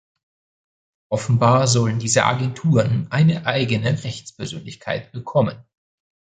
Offenbar sollen diese Agenturen eine eigene Rechtspersönlichkeit bekommen.